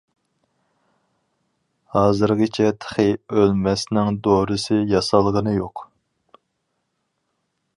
ھازىرغىچە تېخى ئۆلمەسنىڭ دورىسى ياسالغىنى يوق!